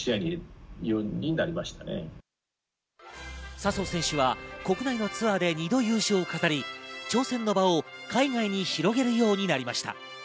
笹生選手は国内のツアーで２度優勝を飾り、挑戦の場を海外に広げるようになりました。